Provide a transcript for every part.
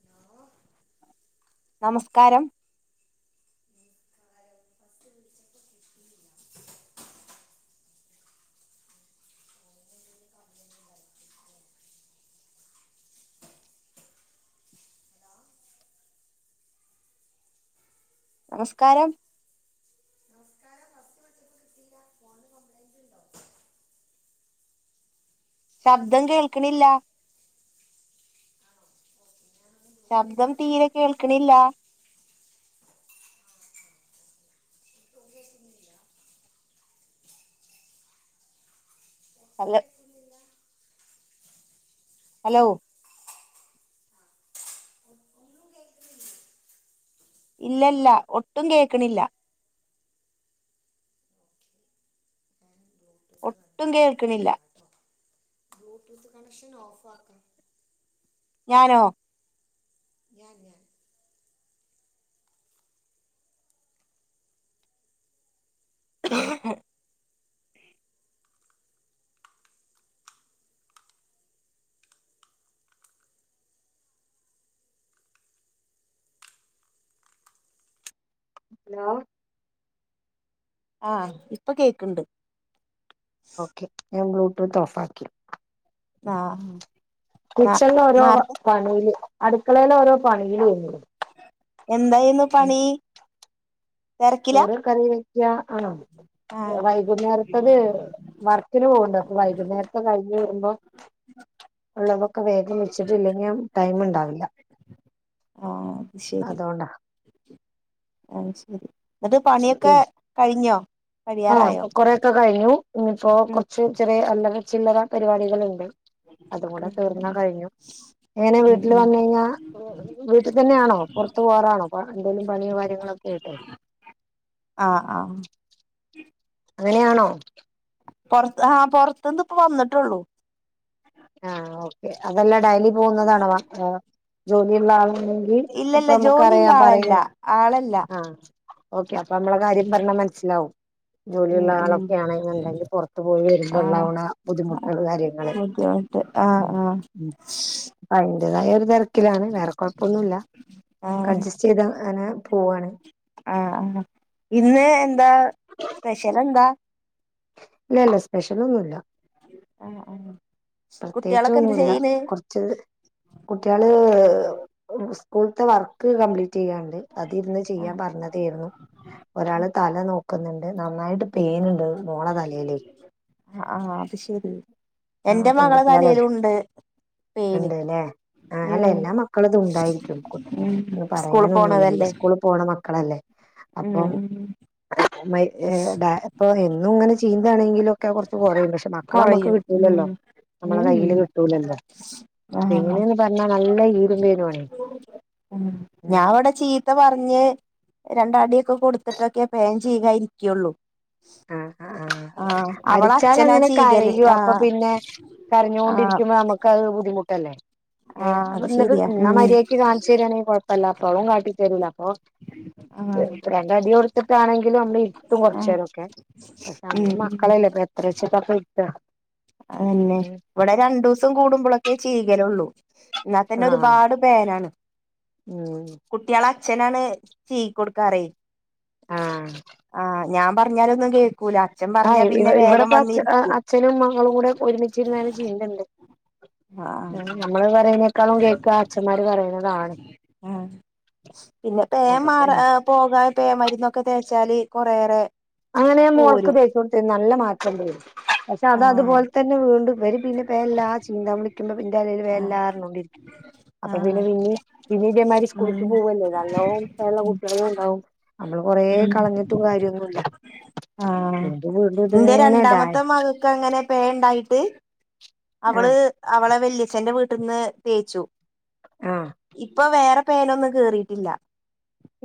Hello നമസ്കാരം ഉ [inaudible] complaint ഉണ്ടായിട്ടില്ലേ ഹലോ നമസ്കാരം ഫോ കപ്ലൈന്റ് ഉണ്ടോ [inaudible] ശബ്ദം കേൾക്കണില്ല. ആണോ ഓക്കെ ഞാനൊന്ന് ശബ്ദം ബ്ലൂടൂത്ത് ആ തീരെ ആ കേൾക്കണില്ല ഓക്കെ ഒട്ടും കേൾക്കുന്നില്ല ഒട്ടും ഹലോ കേൾക്കുന്നില്ല ഹലോ ആ ഒ- ഒന്നും കേൾക്കുന്നില്ല ഇല്ലല്ല ഒട്ടും കേക്കണില്ല ഓക്കെ ഞാൻ ബ്ലൂടൂത്ത് ഒട്ടും കണക്ട് ഓഫ് കേൾക്കണില്ല ആക്കാം ബ്ലൂടൂത്ത് കണക്ഷൻ ഓഫാക്ക് ഞാനോ ഞാൻ ഞാൻ ആ ഹലോ ആഹ് ഇപ്പം കേക്ക്ണ്ട് ഓക്കെ ഞാൻ ബ്ലൂടൂത്ത് ഓഫാക്കി ആഹ് ന കിച്ചണില് ഓരോ നേർത്തെ പണീല് അട്ക്കളേല് ഓരോ പണീലേനി എന്തായിരുന്നു പണി തിരക്കില ചോറ് കറി വെക്ക ആണോ ആഹ് വൈകുന്നേരത്തത് വർക്കിന് പോവ്ണ്ട് അപ്പോ വൈകുന്നേരത്തെ കഴ്ഞ്ഞ് വര്മ്പോ ഉള്ളതൊക്കെ വേഗം വെച്ചിട്ട്ല്ലെങ്കി ടൈമ് ഇണ്ടാവില്ല ആഹ് അത് ശെരി അതുകൊണ്ടാ അത് ശെരി ഇന്നെട്ട് പണിയൊക്കെ കഴിഞ്ഞോ കഴിയാറായോ? കൊറേക്കെ കഴിഞ്ഞു ഇനിയിപ്പോ ഉം കൊറച്ച് ചെറ്യേ അല്ലറ ചില്ലറ പരിപാടികള്ണ്ട്. അതും കൂടെ ഉം ഉം തീർന്നാ കഴിഞ്ഞു എങ്ങനെ ഉം വീട്ടില് ഉം വന്നഴിഞ്ഞാ വീട്ട് തന്നെയാണോ പൊറത്ത് പോവാറാണോ പ എന്തേലും പണിയോ കാര്യങ്ങളൊക്കെ ആയിട്ടെ ആഹ് ആഹ് അങ്ങനെയാണോ? പൊറത്ത് ആഹ് പൊറത്ത്ന്ന് ഇപ്പ വന്ന്ട്ടൊള്ളൂ ആഹ് ഓക്കെ അതല്ല ഡെയ്ലി പോവ്ന്നതാണോ വ വ ജോലിയുള്ള ആളെ ങ്കി അപ്പ ഇല്ലല്ല ജോലില്ല നമുക്കറിയ ആളല്ല പറയ്ണെ ആളല്ല ആഹ് ഓക്കെ അപ്പൊ നമ്മളെ കാര്യം പറഞ്ഞാ മനസ്സിലാവും. ഉം ജോലിയുള്ള ഉം ആളൊക്കെയാണ്ന്ന്ണ്ടെങ്കി പൊറത്ത് പോയി വരുമ്പോ ആഹ് ഉണ്ടാവ്ണ ബുദ്ധിമുട്ടേളും കാര്യങ്ങള്. ബുദ്ധിമുട്ട് ഉം ഉം ആഹ് അതിന്റേതായ ഒരു തിരക്കിലാണ് ആഹ് ആഹ് ചെയ്താ അങ്ങനെ പോവാണ് ആഹ് ആഹ് ഇന്ന് എന്താ സ്പെഷ്യലെന്താ? ഇല്ലല്ല സ്പെഷ്യലൊന്നുല്ല ആഹ് ആഹ് കുട്ട്യേളൊക്കെ എന്താ ചെയ്യ്ണ്? ച്ചത് കുട്ട്യേള് സ്കൂള്ത്തെ വർ ക്ക് കംപ്ലീറ്റെയ്യാണ്ട് അത് ഇര്ന്ന് ചെയ്യാൻ ആഹ് പറഞ്ഞതേര്ന്നു ഒരാള് തല നോ ക്ക്ന്ന്ണ്ട് നന്നായിട്ട് പേന്ണ്ട് മോളെ തലേലേ ആഹ് അത് ശെരി ആഹ് എന്റെ മകളെ തലേലുണ്ട്. ഇണ്ട്ല്ലേ ആഹ് അല്ല എല്ലാ മക്കളതും ഉണ്ടായിരിക്കും കു ഉം ഒന്നും സ്കൂൾ പറയാനൊന്നുല്ല ഈ പോണതല്ലേ സ്കൂള് പോണ മക്കളല്ലേ ഉം അപ്പം ഉം [unintelligible] ഇപ്പൊ എന്നും ഇങ്ങനെ ചീന്താണെങ്കിലൊക്കെ കൊറച്ച് കൊറയും പക്ഷെ മ മക്കളെ നമ്മുക്ക് കൊറയും കിട്ടൂലല്ലോ ഉം നമ്മളെ ഉം കയ്യില് കിട്ടൂലല്ലോ ആഹ് എങ്ങനെന്ന് പറഞ്ഞാ നല്ല ഈരും പേനും ആണ്. ഉം ഞാൻ ഇവിടെ ചീ ത്ത പറഞ്ഞ് രണ്ട് അടിയൊക്കെ കൊടുത്തിട്ടൊക്കെ പേൻ ചീകാൻ ഇരിക്കൊള്ളൂ. ആഹ് ആഹ് അവളെ അച്ഛനാ അടിച്ചാലങ്ങനെ ചീകല് കരയൂ അപ്പൊ ആഹ് പിന്നെ ആഹ് കരഞ്ഞോണ്ടിരിക്കുമ്പോ നമ ക്കഹ് ബുദ്ധിമുട്ടല്ലേ ഏഹ് ആഹ് അപ്പ അത് ഇന്നട്ട് ശരിയാ ഇന്ന ഉം മര്യായ്ക്ക് കാണിച്ചു തരാണെങ്കിൽ കൊഴ പ്പല്ല അല്ലാത്തോളും കാട്ടി തരൂല അപ്പോ ആഹ് രണ്ട് അടികൊട് ത്തിട്ടാണെങ്കിലും നമ്മള് ഇര്ത്തും ആഹ് കൊറച്ചേരോക്കെ പക്ഷേ ഉം നമ്മള് ഉം മക്കളല്ലേ എത്രാച്ച്ട്ടാ ഇപ്പം ഇര്ത്താ അഹെന്നെ ഇവിടെ രണ്ടൂസം കൂടുമ്പളോക്കെ ചീകലൊള്ളൂ ഇന്നാ തന്നെ ആഹ് ഒരുപാട് പേനാണ് ഉം കുട്ട്യാളെ അച്ഛനാണ് ചീകികൊടുക്കാറെയ് ആഹ് ആഹ് ഞാൻ പറഞ്ഞാലൊന്നും കേക്കൂല അച്ഛൻ ആഹ് പറഞ്ഞാ ഇവ പിന്നെ വേഗം ഇവിടെപ്പ അച്ച വന്നിരിക്കും അച്ഛനും മകളും കൂടെ ഒരുമിച്ചിരുന്നാൽ ചെയ്യല്ണ്ട് [unintelligible] ആഹ് ഞമ്മള് പറയ ക്കാളും കേക്കാ അച്ഛന്മാർ പറയ്ണതാണ് ആഹ് പിന്നെ പേൻ മാറാ പോകാൻ പേൻ മരുന്നൊക്കെ തേച്ചാല് കൊറേറെ അങ്ങനെ ഞാൻ മോള്ക്ക് തേച്ചുകൊടുതീനിം നല്ല മാ [unintelligible] വരും പഷേ അത് ആഹ് അതുപോലെ തന്നെ വീണ്ടും വരും പിന്നെ പേൻ ഇല്ലാ [unintelligible] [unintelligible] ഇന്റെ തലയിൽ പേൻ ഇല്ലാ ആഹ് പറഞ്ഞോണ്ടിരിക്കും അപ്പ ആഹ് പിന്നെ പിന്നീ പിന്നീ ഇതേമാതിരി ഉം സ്കൂൾക്ക് പോവല്ലേ നല്ലോം പേൻ ഉള്ള കുട്ടിയാളും ഉണ്ടാവും നമ്മള് കൊറേ ഉം കളഞ്ഞിട്ടും കാര്യ ഒന്നും ഇല്ല ആഹ് ഇന്റെ ഡായ് രണ്ടാമത്തെ മകക്ക് അങ്ങനെ പേൻ ഇണ്ടായിട്ട് അവള് ആഹ് അവളെ വല്യച്ഛന്റെ വീട്ട്ന്ന് തേച്ചു ആഹ് ഇപ്പ വേറെ പേനൊന്നും കേറിട്ടില്ല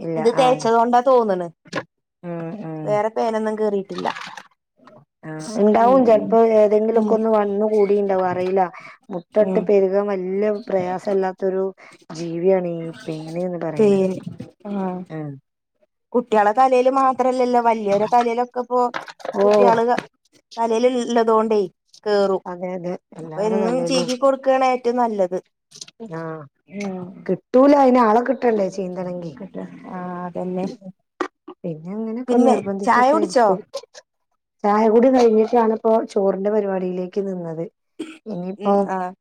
ഇല്ല ഇത് ആഹ് തേച്ചത് കൊണ്ടാ തോന്ന്ണ് ഉം ഉം വേറെ പേനൊന്നും കേറിട്ടില്ല ആഹ് ഇണ്ടാവും ചെലപ്പോ ഏതെങ്കിലും ഒക്കെ ഒന്ന് ഉം വന്ന് കൂ [unintelligible] ഇണ്ടാവോ അറിയില്ല മുട്ട ഇട്ട് പെരുകാൻ വല്ല്യ പ്രയാസം ഇല്ലാത്തൊരു ജീവിയാണീ പേന് പറയ് പേൻ ആഹ് ആഹ് കുട്ട്യാളെ തലേല് മാത്രല്ലല്ലോ വല്ല്യോരെ തലയിലൊക്കെ പ്പോ ഓഹ് കുട്ടിയാള് തലയിൽ ഇള്ളതോണ്ടേ കേറും അതെ അതെ അപ്പം എല്ലാര എന്നും തലേലും ചീകി കൊടു ക്കേണ് ഏറ്റവും നല്ലത് ആഹ് ഉം കിട്ടൂല അയിന് ആളെ കിട്ടണ്ടേ ചീന്തണെങ്കി കിട്ട ആഹ് അതന്നെ പിന്നെ അങ്ങനെയൊക്കെ പിന്നെ ചായ നിർബന്ധിച്ചൊക്കെ കുടിച്ചോ ഇരുത്തും ചായ കൂടി കഴിഞ്ഞിട്ടാണ് ഇപ്പോ ചോറിന്റെ പരിപാടിയിലേക്ക് നിന്നത് ഉം ഇനിയിപ്പോ ആഹ്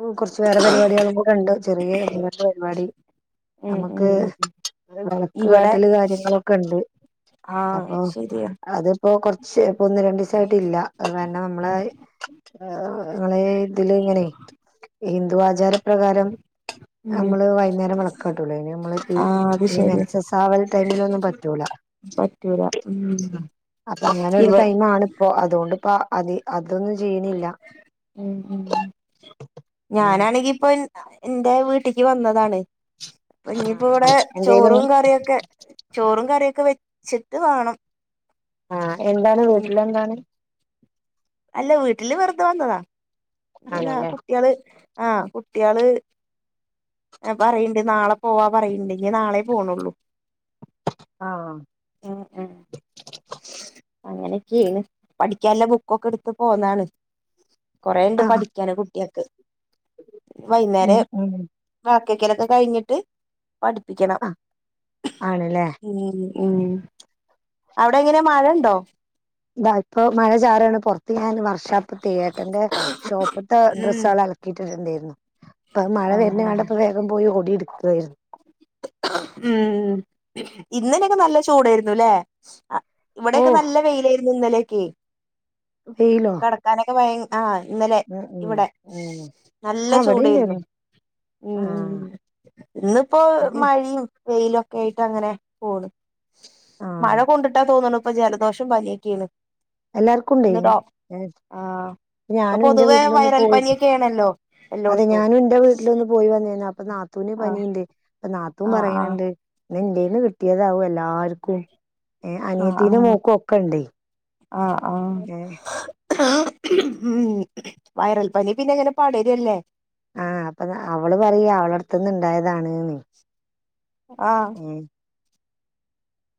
ഉം കൊറച്ച് വേറെ പരിപാടികളും കൂടെ ഉണ്ട് ചെറിയേ ഒന്ന് രണ്ട് പരിപാടി ഉം നമക്ക് ഉം ഉം വളക്ക് ഇവിടെ കാട്ടല് കാര്യങ്ങളൊക്കെ ഇണ്ട് ആഹ് അപ്പോ ശരിയാ അതിപ്പോ കൊറ ച്ച് ഒന്ന് രണ്ടീസായിട്ട് ഇല്ല കാരണം നമ്മളെ ഏഹ് ഇങ്ങളെ ഇതില് ഇങ്ങനെയ് ഹിന്ദു ആചാരപ്രകാരം ഉം നമ്മള് വൈന്നേരം വളക്കാട്ടുലെ ഇനി നമ്മള് ആഹ് അത് ഈ ശരിയാ മെൻസസാവൽ ടൈമിലൊന്നും പറ്റൂല ഉം അപ്പോ അങ്ങനെ ഒരു ഇവ ടൈമ് ആണ് ഇപ്പോ അതുകൊണ്ട് ഇപ്പ അത് അതൊന്നും ചെയ്യ്ണില്ല ഉം ഉം ഉം ഉം ഞാനാണെങ്കി ഇപ്പം ഇന്റെ വീട്ട്ക്ക് വന്നതാണ് ഇപ്പ ഇഞ്ഞിയിപ്പോ ഇവിടെ എന്തേലും ചോറും കറിയൊക്കെ ചോറും കറിയൊക്കെ വെച്ചിട്ട് വാണം ആഹ് എന്താണ് വീട്ടില് എന്താണ് അല്ല വീട്ടില് വെറുതെ വന്നതാ ഇന്ന്താ ആണല്ലേ കുട്ട്യോള് ആ കുട്ട്യോള് പറയിണ്ട് നാളെ പോവാ പറയിണ്ട് ഇനി നാളെ പോണുള്ളൂ ആഹ് അങ്ങനെ ക്കേണ് പഠിക്കാള്ള ബുക്കൊക്കെ എടുത്ത് പോന്നാണ് കൊറെ ആഹ് പഠിക്കാണ്ട് കുട്ട്യോൾക്ക് വൈന്നേരം ഉം ഉം ബാക്കിയൊക്കെല് കഴിഞ്ഞിട്ട് പഠിപ്പിക്കണം ആഹ് ആണല്ലേ ഉം ഉം അവിടെ എങ്ങനെ മഴണ്ടോ ഇതാ ഇപ്പൊ മഴ ചാറാണ് പൊറത്ത് ഞാൻ വർക്ക്ഷാപ്പ്ത്തെ ഏട്ടെന്റെ ഷോപ്പ്ത്തെ ഉം ഡ്രസ്സള് അലക്ക ട്ടിട്ടുണ്ടായിരുന്നു അപ്പൊ മഴ ആഹ് വരുന്ന ആഹ് കണ്ടപ്പോ വേഗം പോയി ഓടി എടുക്കായിരുന്നു ഉം ഇന്നലെയൊക്കെ നല്ല ചൂടേര്ന്നുല്ലേ ഇവിടെക്കെ ഓഹ് നല്ല വെയിലായിരുന്നു ഇന്നലെക്കെ വെയിലോ നടക്കാനൊക്കെ ഭയ ആഹ് ഇന്നലെ ഉം ഉം ഇവിടെ ഉം നല്ല ആഹ് ചൂടേരുന്നു ഇവിടെണ്ടായിരുന്നു ഉം ഉം ആഹ് ഇന്നിപ്പോ മഴയും വെയിലുംക്കെ ആയിട്ട് അങ്ങനെ പോണ് മഴ ആഹ് കൊണ്ടിട്ടാ തോന്നണ് ഇപ്പ ജലദോഷം പനിയൊക്കെയാണ് എല്ലാർക്കുംണ്ടേ ഒന്ന് ഡോ ആ ഇപ്പൊ ഞാനും എന്റെ പൊതുവെ വീട്ടിലൊന്ന് വൈറൽ പോയി പനിയൊക്കെയാണല്ലോ അതെ എല്ലോടത്തും ഞാനും എന്റെ വീട്ടിലൊന്ന് പോയി വന്നേനു അപ്പൊ നാത്തൂന് ആ പനിയുണ്ട് അപ്പ ആ നാത്തൂനും ആ പറയ്ണ് ണ്ട് ഇനി എന്റെന്ന് കിട്ടിയതാവും എല്ലാർക്കും ഏ അനിയത്തിന്റെ മോക്കൊക്കെണ്ടേ ആഹ് ആഹ് ഉം വയറൽ പനി പിന്നെങ്ങനെ പടര്ല്ലേ ആഹ് അപ്പൊ അവള് പറയ അവള് അടുത്ത്ന്ന് ഇണ്ടായതാണ് ആഹ്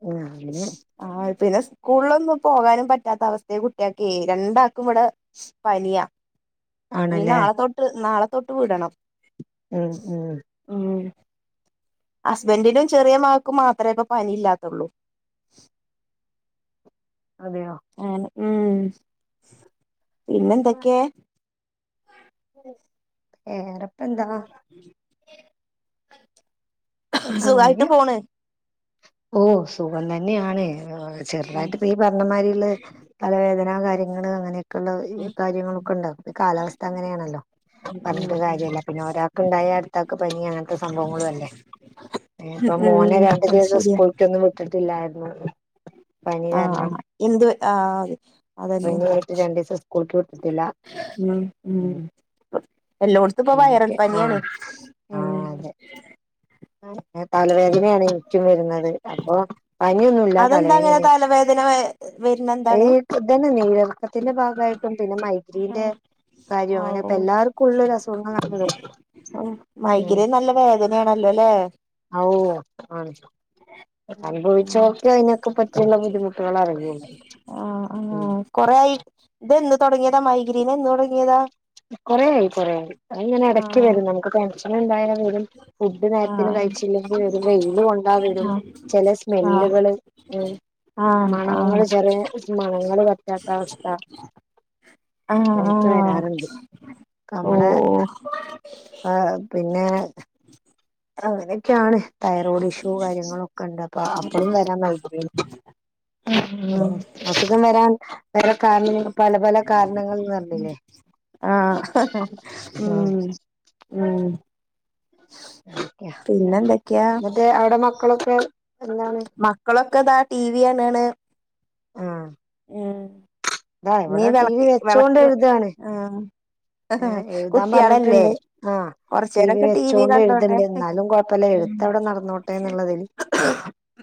ആഹ് അങ്ങനെ ആ പിന്നെ സ്കൂളിലൊന്നും പോകാനും പറ്റാത്ത അവസ്ഥെ കുട്ട്യോക്കെ രണ്ടാക്കും ഇവിടെ പനിയാ ഇനി ആണല്ലേ നാളെത്തോട്ട് നാളെത്തോട്ട് വിടണം ഉം ഉം ഉം ഹസ്ബൻഡിനും ചെറ്യ മകൾക്കും മാത്രമേപ്പ പനിയില്ലാത്തുള്ളൂ അതയോ അങ്ങനെ ഉം പിന്നെ എന്തൊക്കെ വേറെപ്പന്താ അങ്ങനെ സുഖായിട്ട് പോണ് ഓ സുഖം തന്നെയാണ് ഉം ചെറുതായിട്ടിപ പറഞ്ഞമാതിരിയുള്ള തലവേദന കാര്യങ്ങൾ അങ്ങനെയൊക്കെ ഉം ഒക്കൊണ്ടാവു കാര്യങ്ങളൊക്കെ ഉണ്ടാവും ഈ കാലാവസ്ഥ അങ്ങനെയാണല്ലോ ഉം പറഞ്ഞിട്ട് ഉം കാര്യല്ല പിന്നെ ഒരാൾക്ക്ണ്ടായ അടുത്താൾക്ക് പനി അങ്ങനത്തെ സംഭവങ്ങളും അല്ലേ ഇപ്പൊ ഉം മോനെ ഉം രണ്ടു അത് ദിവസം ശരിയാ സ്കൂൾക്കൊന്നും വിട്ടിട്ടില്ലായിരുന്നു പനി കാരണം ആഹ് എന്ത് ആ അത് അതന്നെ പനിയായിട്ട് രണ്ടീസം സ്കൂൾക്ക് വിട്ടിട്ടില്ല ഉം ഉം എല്ലോടുത്ത് പോ വയറൽ എനിക്ക് പനിയാണ് ആഹ് ഉം തലവേദനേണ് ചുറ്റും വരുന്നത് അപ്പൊ പനിയൊന്നുമല്ല അതെന്താ അങ്ങനെ തലവേദനയാണ് തലവേദന വരുന്ന എന്താണ് ഇത് തന്നെ അല്ലിയോ നീരറക്കത്തിന്റെ ഭാഗമായിട്ടും പിന്നെ മൈ- ഇതിന്റെ കാര്യം അങ്ങനെ ഇപ്പ ആവോ എല്ലാർക്കും ഉള്ള ഒരു അസുഖങ്ങള് ആണ് ഇത് ഉം മൈഗ്രൈൻ നല്ല വേദനയാണല്ലോ അല്ലേ ഓ ആണ് അനുഭവിച്ചോർക്കെ അതിനൊക്കെ പറ്റിയുള്ള ബുദ്ധിമുട്ടുകള് അറിയുള്ളു കൊറെ ആയി ഇതെന്ന് തൊടങ്ങിയതാ മൈഗ്രീൻ എന്ന് തൊടങ്ങിയതാ കൊറെയായി കൊറേയായി അതിയിങ്ങനെ ഇടക്ക് ആഹ് വരും നമുക്ക് ടെൻഷൻ ഇണ്ടായ വരും ഫുഡ് നേരത്തിന് ആഹ് കഴിച്ചില്ലെങ്കിൽ വരും വെയിലുകൊണ്ടാ വരും ആഹ് ചെല ആഹ് സ്മെല്ലുകള് ആഹ് മണങ്ങള് ആഹ് ചെറിയ മണങ്ങള് പറ്റാത്ത അവസ്ഥ ആഹ് എനിക്ക് ആഹ് വരാറുണ്ട് നമ്മള് ഓഹ് ആഹ് പിന്നെ- അങ്ങനെക്കെയാണ് തൈറോയ്ഡ് ഇഷ്യൂ കാര്യങ്ങളൊക്കെയിണ്ട് അപ്പാ അപ്പഴും വരാൻ താൽപര്യ [inaudible] അസുഖം വരാൻ വേറെ കാരണങ്ങളൊന്നും- ആഹ് ഹ ഹ ഹ ഉം ഉം [inaudible] പിന്നെ എന്തൊക്കെയാ എന്നിട്ട് അവിടെ മക്കളൊക്കെ എന്താണ് മക്കളൊക്കെ ദാ - ടി വി കാണുവാണ് ആഹ് ഉം ഇതാ ഇനി ഇവിടെ ടി വി വെളക്ക് വെച്ചോണ്ട് വെളക്ക് എഴുതാണ് ആഹ് ഏഹ് എഴുതാം കുട്ടികളല്ലേ പറഞ്ഞിട്ടിണ്ട് ആഹ് ടി വി വെച്ചോണ്ട് എഴുതുണ്ട് എന്നാലും കൊഴപ്പവില്ല ഉം എഴുത്ത് അവിടെ നടന്നോട്ടെന്നുള്ളതില്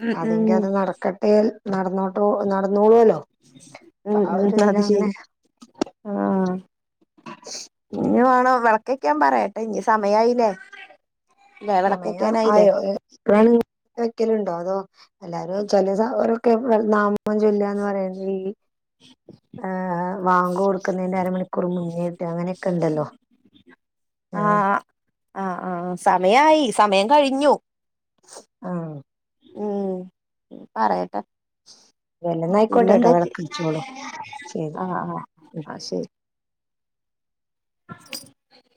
ഉം അതിന്റ അത് ഉം നടക്കട്ടേൽ നടന്നോട്ടു നടന്നോളൂവല്ലോ ഉം അപ്പ ആ ഉം ഒരിതില് അത് ശരി അതിനെ- ആഹ് ഇനി വേണോ വെളക്ക് വെക്കാൻ പറയട്ടെ ഇനി സമയായില്ലേ ഇല്ലേ സമയം വിളക്കക്കാനായില്ലേ ആയോ ഇനി വേണെ- വെക്കലുണ്ടോ അതോ എല്ലാരും ചെലെ സമ ഓരൊക്കെ എ നാമ നാമം ചൊല്ലാന്ന് പറയണത് ഈ- ആഹ് ആഹ് വാങ്കു കൊടുക്കുന്നതിന്റെ അരമണിക്കൂർ മുന്നേയിട്ട് അങ്ങനെയൊക്കെ ഇണ്ടല്ലോ ആഹ് ആ ആഹ് ആഹ് ആഹ് സമയായി സമയം കഴിഞ്ഞു ആഹ് ഉം പറയട്ടെ പിന്നെ വല്ലന്നായിക്കോട്ടെട്ടോ എന്തോ പറ്റി വിളക്കച്ചോളൂ ശരി ആഹ് ആഹ് ആ ശരി [inaudible]